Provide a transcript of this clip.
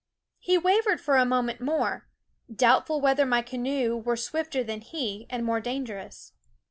He wavered for a moment more, doubtful whether my canoe were swifter than he and more dangerous.